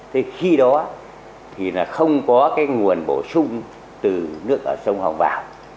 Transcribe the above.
thế khi đó thì là không có cái nguồn bổ sung từ nước ở sông hồng vào